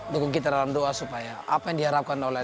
dukung kita dalam doa supaya apa yang diharapkan oleh